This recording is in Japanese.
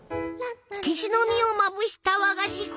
ケシの実をまぶした和菓子。